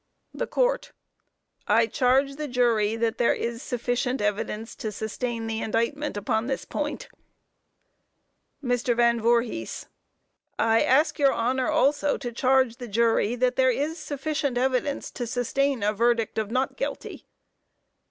THE COURT: I charge the jury that there is sufficient evidence to sustain the indictment, upon this point. MR. VAN VOORHIS: I ask your Honor also to charge the jury that there is sufficient evidence to sustain a verdict of not guilty.